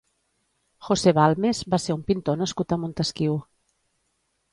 José Balmes va ser un pintor nascut a Montesquiu.